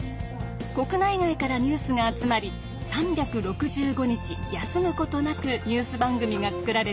国内外からニュースが集まり３６５日休むことなくニュース番組が作られています。